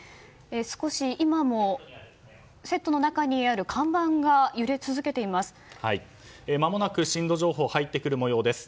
少し今も、セットの中にある看板が揺れ続けています。